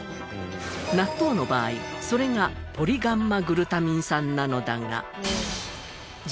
納豆の場合それがポリガンマグルタミン酸なのだが。